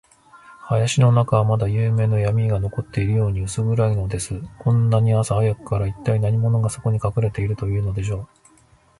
林の中は、まだゆうべのやみが残っているように、うす暗いのです。こんなに朝早くから、いったい何者が、そこにかくれているというのでしょう。